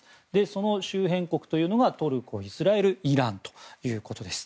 その周辺国というのがトルコ、イスラエル、イランということです。